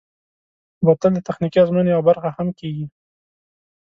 بوتل د تخنیکي ازموینو یوه برخه هم کېږي.